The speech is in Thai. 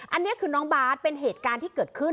อันนี้คือน้องบาทเป็นเหตุการณ์ที่เกิดขึ้น